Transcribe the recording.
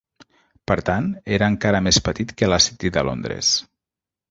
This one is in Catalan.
Per tant, era encara més petit que la City de Londres.